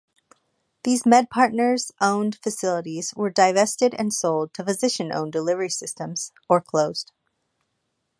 These MedPartners-owned facilities were divested and sold to physician-owned delivery systems or closed.